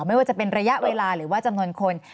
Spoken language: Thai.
ไม่ว่าจะเป็นระยะเวลาหรือว่าจำนวนคน